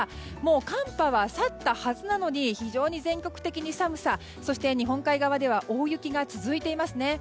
寒波は去ったはずなのに全国的に寒さそして日本海側では大雪が続いていますね。